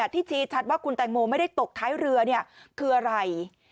ที่ชี้ชัดว่าคุณแตงโมไม่ได้ตกท้ายเรือคืออะไร